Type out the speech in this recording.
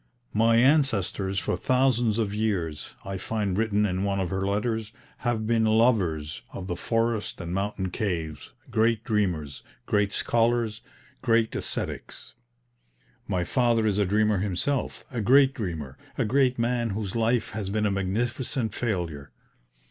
"My ancestors for thousands of years," I find written in one of her letters, "have been lovers of the forest and mountain caves, great dreamers, great scholars, great ascetics. My father is a dreamer himself, a great dreamer, a great man whose life has been a magnificent failure.